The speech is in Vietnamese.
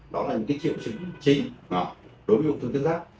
đó là những cái triệu chứng chính đối với vùng tuyến giáp